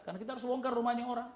karena kita harus bongkar rumahnya orang